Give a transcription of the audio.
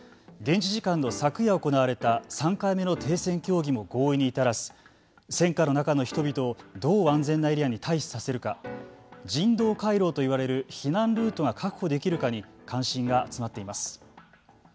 現地時間の昨夜行われた３回目の停戦協議も合意に至らず戦火の中の人々をどう安全なエリアに待避させるか人道回廊といわれる避難ルートが確保できるかに関心が集まっています。